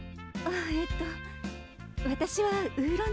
えっと私はウーロン茶で。